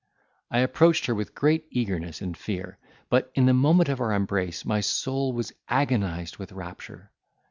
I approached her with eagerness and fear; but in the moment of our embrace, my soul was agonized with rapture!